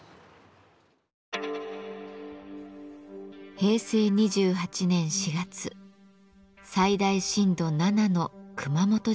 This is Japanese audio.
平成２８年４月最大震度７の「熊本地震」です。